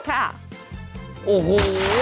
ค่ะโอ้โห